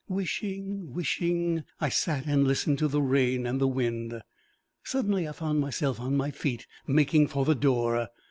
Wishing, wishing, I sat and listened to the rain and the wind. Suddenly I found myself on my feet, making for the door.